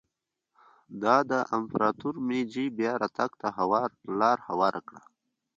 دا د امپراتور مېجي بیا راتګ ته لار هواره کړه.